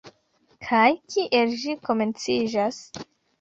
Kaj kiel ĝi komenciĝas?